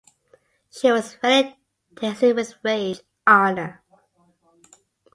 She was fairly dancing with rage, Anna.